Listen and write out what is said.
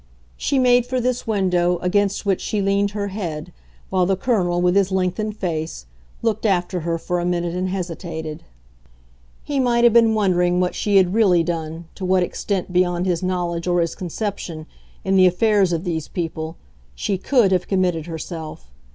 She made for this window, against which she leaned her head, while the Colonel, with his lengthened face, looked after her for a minute and hesitated. He might have been wondering what she had really done, to what extent, beyond his knowledge or his conception, in the affairs of these people, she COULD have committed herself.